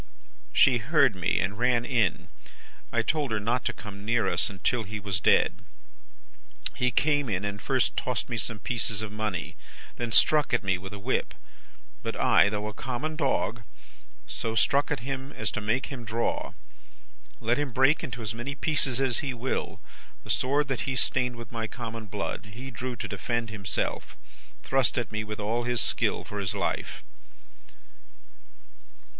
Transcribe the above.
"'She heard me, and ran in. I told her not to come near us till he was dead. He came in and first tossed me some pieces of money; then struck at me with a whip. But I, though a common dog, so struck at him as to make him draw. Let him break into as many pieces as he will, the sword that he stained with my common blood; he drew to defend himself thrust at me with all his skill for his life.